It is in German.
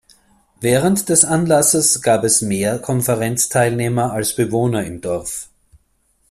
Während des Anlasses gab es mehr Konferenzteilnehmer als Bewohner im Dorf.